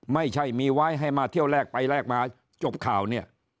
ไม่ใช่มีไว้ให้มาเที่ยวแรกไปแลกมาจบข่าวเนี่ย